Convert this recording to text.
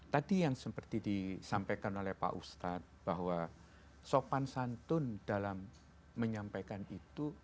tadi yang seperti disampaikan oleh pak ustadz bahwa sopan santun dalam menyampaikan itu